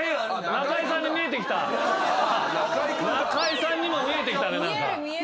中居さんにも見えてきたね。